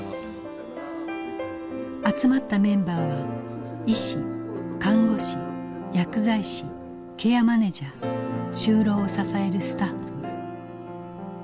集まったメンバーは医師看護師薬剤師ケアマネジャー就労を支えるスタッフ。